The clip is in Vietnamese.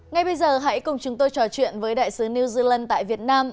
ngay bây giờ hãy cùng chúng tôi trò chuyện với đại sứ new zealand tại việt nam